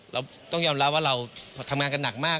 เราต้องยอมรับว่าเราทำงานกันหนักมาก